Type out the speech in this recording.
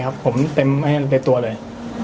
ครับผมเต็มใจครับขอเต็มตัวเลย